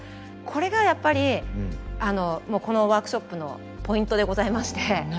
これがやっぱりこのワークショップのポイントでございまして。